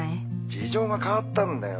事情が変わったんだよ。